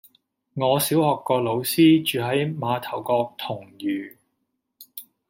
我小學個老師住喺馬頭角銅璵